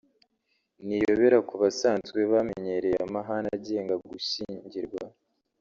ni iyobera ku basanzwe bamenyereye amahame agenga gushyingirwa